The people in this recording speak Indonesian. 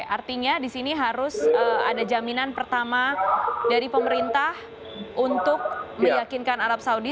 artinya di sini harus ada jaminan pertama dari pemerintah untuk meyakinkan arab saudi